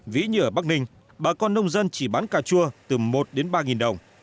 ví như ở bắc ninh bà con nông dân chỉ bán cà chua từ một đến ba đồng